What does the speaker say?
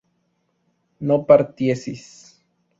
no partieseis